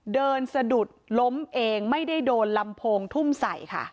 สะดุดล้มเองไม่ได้โดนลำโพงทุ่มใส่ค่ะ